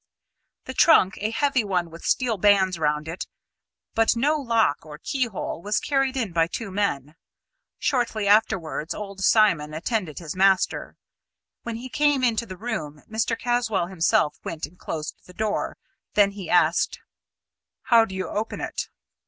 The trunk, a heavy one with steel bands round it, but no lock or keyhole, was carried in by two men. Shortly afterwards old Simon attended his master. When he came into the room, Mr. Caswall himself went and closed the door; then he asked: "How do you open it?"